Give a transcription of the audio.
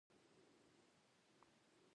سقراط د ځوانانو د ذهنونو په خرابولو تورن شو.